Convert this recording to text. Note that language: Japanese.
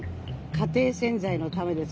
「家庭洗剤のためです。